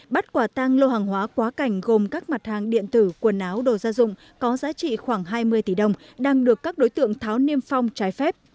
bắt quả tang lô hàng hóa quá cảnh gồm các mặt hàng điện tử quần áo đồ gia dụng có giá trị khoảng hai mươi tỷ đồng đang được các đối tượng tháo niêm phong trái phép